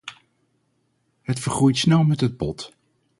Het vergroeit snel met het bot.